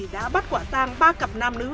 đã bắt quả tàng ba cặp nam nữ